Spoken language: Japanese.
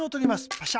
パシャ。